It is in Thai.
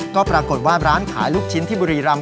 ก็ปรากฏว่าร้านขายลูกชิ้นที่บุรีรำ